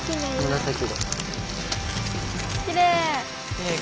きれい！